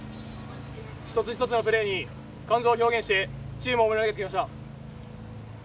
一つ一つのプレーに感情を表現しチームを盛り上げてきました。